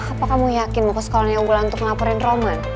apa kamu yakin mau ke sekolahnya unggulan untuk laporin roman